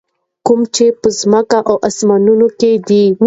کوم چې په ځکمه او اسمانونو کي دي.